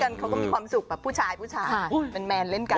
เขาก็มีความสุขแบบผู้ชายผู้ชายแมนเล่นกัน